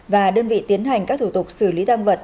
và đơn vị tiến hành các thủ tục xử lý tam vật